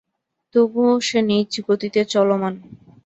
তবুও সে নিজ গতিতে চলমান।